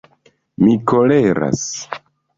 Mi koleras.